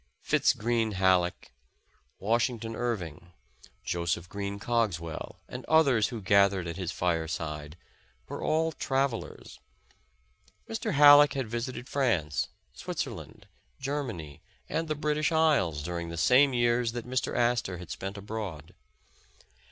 Fitz Greene Halleck, Washington Irving, Joseph Green Cogswell, and others who gathered at his fire side, were all travelers. Mr. Halleck had visited France, Switzerland, Germany, and the British Isles during the same years that Mr. Astor had spent abroad.